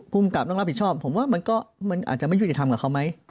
ภูมิกับต้องรับผิดชอบผมว่ามันก็มันอาจจะไม่ยุติธรรมกับเขาไหม